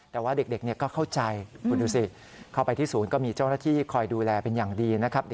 แต่ว่าเด็กก็เข้าใจคุณดูสิเข้าไปที่ศูนย์ก็มีเจ้าหน้าที่คอยดูแลเป็นอย่างดีนะครับ